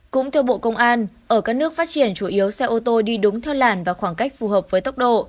cũng theo bộ công an ở các nước phát triển chủ yếu xe ô tô đi đúng theo làn và khoảng cách phù hợp với tốc độ